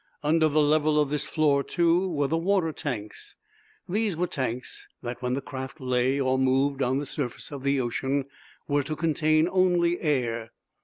Under the level of this floor, too, were the "water tanks." These were tanks that, when the craft lay or moved on the surface of the ocean, were to contain only air.